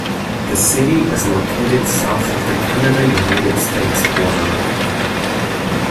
The city is located south of the Canada–United States border.